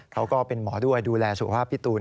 ก็เป็นหมอด้วยดูแลสุขภาพพี่ตูน